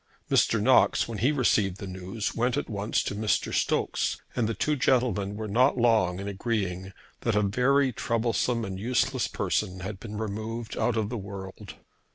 Mr. Knox, when he received the news, went at once to Mr. Stokes, and the two gentlemen were not long in agreeing that a very troublesome and useless person had been removed out of the world.